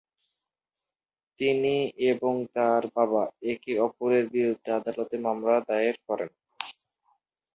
তিনি এবং তার বাবা একে অপরের বিরুদ্ধে আদালতে মামলা দায়ের করেন।